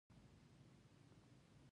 مخزومي دې خبرې ته هیڅ فکر نه دی کړی.